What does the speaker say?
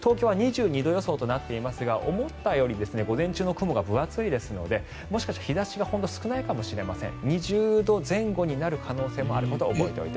東京は２２度予想となっていますが思ったより午前中の雲が分厚いですのでもしかしたら日差しが少ないかもしれません。